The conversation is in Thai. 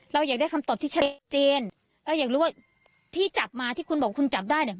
เราอยากได้คำตอบที่ชัดเจนเราอยากรู้ว่าที่จับมาที่คุณบอกคุณจับได้เนี่ย